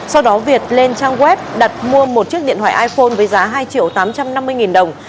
sau đó việt lên trang web đặt mua một chiếc điện thoại iphone với giá hai triệu tám trăm năm mươi nghìn đồng